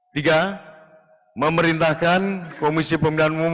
tiga memerintahkan kpu